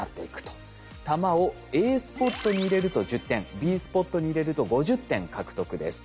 玉をＡスポットに入れると１０点Ｂスポットに入れると５０点獲得です。